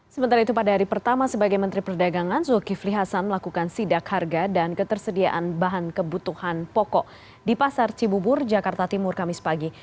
sementara itu pada hari pertama sebagai menteri perdagangan zulkifli hasan melakukan sidak harga dan ketersediaan bahan kebutuhan pokok di pasar cibubur jakarta timur kamis pagi